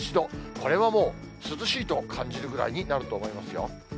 これはもう、涼しいと感じるぐらいになると思いますよ。